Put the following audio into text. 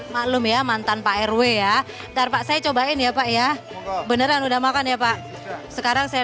maklum ya mantan pak rw ya ntar pak saya cobain ya pak ya beneran udah makan ya pak sekarang saya